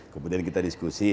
kemudian kita diskusi